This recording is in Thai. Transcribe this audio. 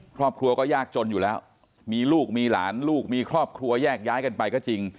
ครอบครัวก็ยากจนอยู่แล้วมีลูกมีหลานลูกมีครอบครัวแยกย้ายกันไปก็จริง